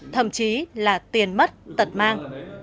thậm chí là tiền mất tật mang